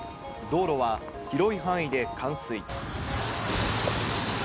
道路は広い範囲で冠水。